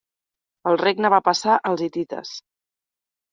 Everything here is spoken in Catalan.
El regne va passar als hitites.